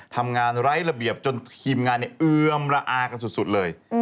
ทำงานไร้ระเบียบจนทีมงานเนี่ยเอื้อมระอากันสุดเลย